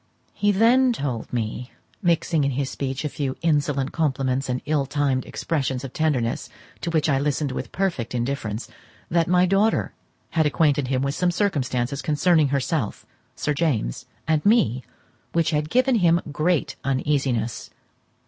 He then told me, mixing in his speech a few insolent compliments and ill timed expressions of tenderness, to which I listened with perfect indifference, that my daughter had acquainted him with some circumstances concerning herself, Sir James, and me which had given him great uneasiness.